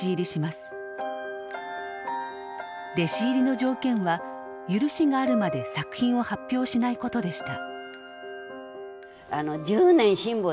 弟子入りの条件は許しがあるまで作品を発表しない事でした。